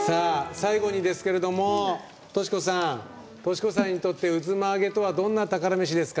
最後にですけれどもトシ子さんにとってうづまあげとはどんな宝メシですか？